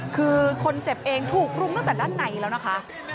คือคนเจ็บเองถูกรุมตั้งแต่ด้านในแล้วนะคะ